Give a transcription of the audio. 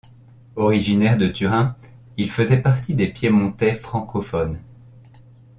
Originaire de Turin, il faisait partie des Piémontais francophones.